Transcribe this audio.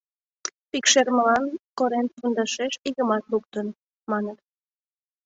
Пӱкшермылан корем пундашеш игымат луктын, маныт.